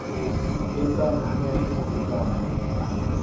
এর কারণ তুমি একলা হতে চাও না।